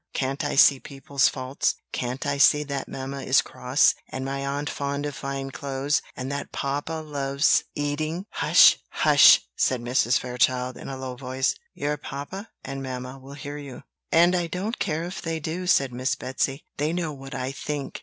Can't I see people's faults? Can't I see that mamma is cross, and my aunt fond of fine clothes, and that papa loves eating?" "Hush! hush!" said Mrs. Fairchild, in a low voice; "your papa and mamma will hear you." "And I don't care if they do," said Miss Betsy: "they know what I think."